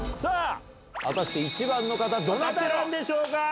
果たして１番の方どなたなんでしょうか？